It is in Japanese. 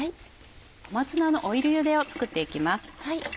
小松菜のオイルゆでを作っていきます。